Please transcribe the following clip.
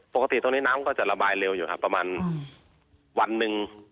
ปกติตรงนี้น้ำก็จะระบายเร็วอยู่ครับประมาณวันหนึ่ง